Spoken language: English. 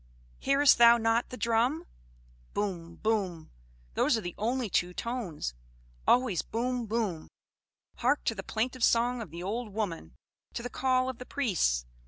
"Hearest thou not the drum? Bum! Bum! Those are the only two tones. Always bum! Bum! Hark to the plaintive song of the old woman, to the call of the priests!